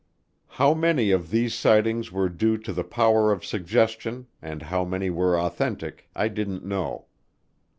How many of these sightings were due to the power of suggestion and how many were authentic I didn't know.